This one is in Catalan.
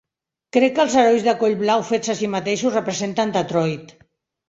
Crec que els herois de coll blau fets a si mateixos representen Detroit.